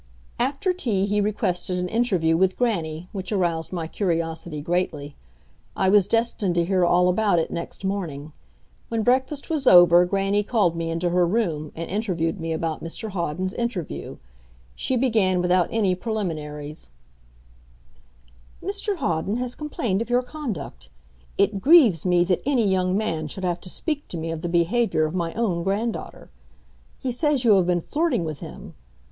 After tea he requested an interview with grannie, which aroused my curiosity greatly. I was destined to hear all about it next morning. When breakfast was over grannie called me into her room and interviewed me about Mr Hawden's interview. She began without any preliminaries: "Mr Hawden has complained of your conduct. It grieves me that any young man should have to speak to me of the behaviour of my own grand daughter. He says you have been flirting with him.